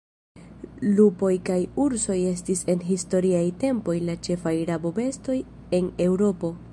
Lupoj kaj ursoj estis en historiaj tempoj la ĉefaj rabobestoj en Eŭropo.